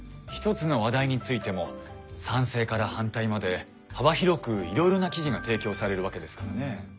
一つの話題についても賛成から反対まで幅広くいろいろな記事が提供されるわけですからね。